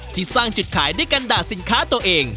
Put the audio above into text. ที่สร้างจุดขายด้วยการด่าสินค้าตัวเอง